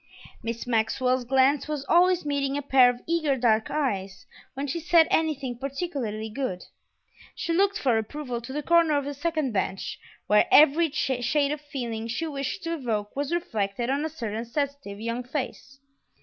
Miss Maxwell's glance was always meeting a pair of eager dark eyes; when she said anything particularly good, she looked for approval to the corner of the second bench, where every shade of feeling she wished to evoke was reflected on a certain sensitive young face.